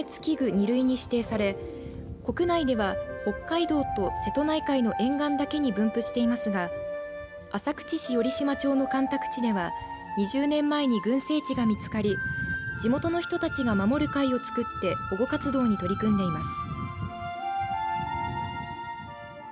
２類に指定され国内では北海道と瀬戸内海の沿岸だけに分布していますが浅口市寄島町の干拓地では２０年前に群生地が見つかり地元の人たちが守る会を作って保護活動に取り組んでいます。